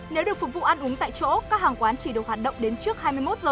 nếu được phục vụ ăn uống tại chỗ các hàng quán chỉ được hoạt động đến trước hai mươi một h